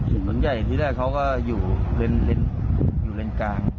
ถนนใหญ่ที่แรกเขาก็อยู่เลนกลาง